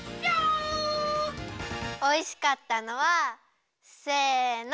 おいしかったのはせの。